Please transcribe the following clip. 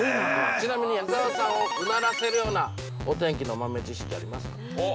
◆ちなみに伊沢さんをうならせるようなお天気の豆知識はありますか。